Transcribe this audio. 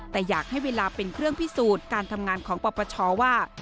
แต่อยากให้เวลาเป็นเครื่องพิสูจน์การทำงานของปปชว่า